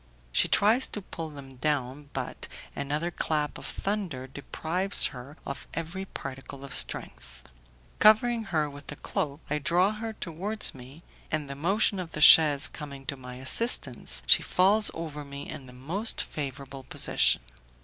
She tries to pull them down, but another clap of thunder deprives her of every particle of strength. Covering her with the cloak, I draw her towards me, and the motion of the chaise coming to my assistance, she falls over me in the most favourable position.